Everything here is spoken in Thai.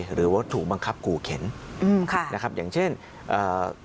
หรือว่าถูกบังคับขู่เข็นอืมค่ะนะครับอย่างเช่นเอ่อ